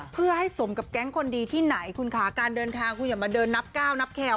เพื่อให้สมกับแก๊งคนดีที่ไหนคุณค่ะการเดินทางคุณอย่ามาเดินนับก้าวนับแคล